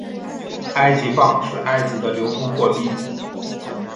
埃及镑是埃及的流通货币。